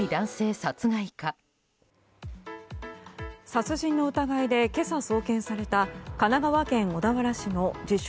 殺人の疑いで今朝、送検された神奈川県小田原市の自称